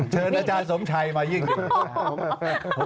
เชิญอาจารย์สมชัยมายิ่ง